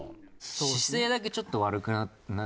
姿勢だけちょっと悪くなってなんかさ。